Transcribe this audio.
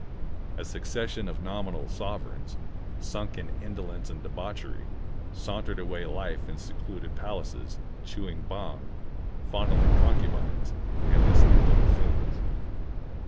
A succession of nominal sovereigns, sunk in indolence and debauchery, sauntered away life in secluded palaces, chewing bhang, fondling concubines, and listening to buffoons.